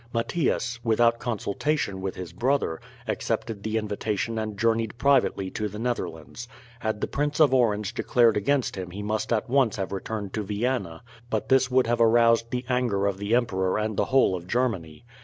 Mathias, without consultation with his brother, accepted the invitation and journeyed privately to the Netherlands. Had the Prince of Orange declared against him he must at once have returned to Vienna, but this would have aroused the anger of the emperor and the whole of Germany.